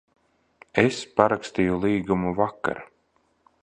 Es parakstīju līgumu vakar.